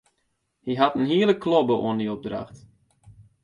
Hy hat in hiele klobbe oan dy opdracht.